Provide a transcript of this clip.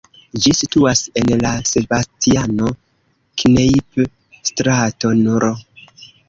Ĝi situas en la Sebastiano-Kneipp-strato nr.